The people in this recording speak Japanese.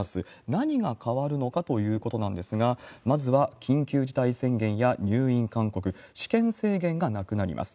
何が変わるのかということなんですが、まずは緊急事態宣言や入院勧告、私権制限がなくなります。